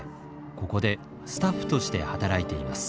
ここでスタッフとして働いています。